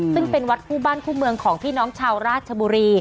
ซึ่งเป็นวัดคู่บ้านคู่เมืองของพี่น้องชาวราชบุรี